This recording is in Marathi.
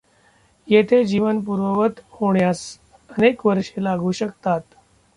तेथे जीवन पूर्ववत होण्यास, अनेक वर्षे लागू शकतात.